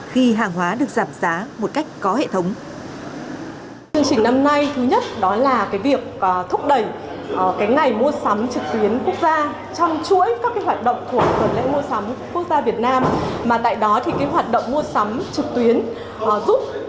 khi hàng hóa được giảm giá một cách có hệ thống